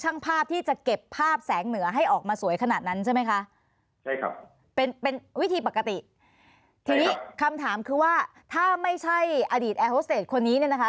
อันนี้คำถามคือว่าถ้าไม่ใช่อดีตแอร์โฮสเตจคนนี้เนี่ยนะคะ